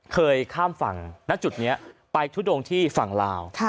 ข้ามฝั่งณจุดนี้ไปทุดงที่ฝั่งลาว